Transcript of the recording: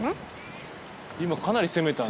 今かなり攻めたね。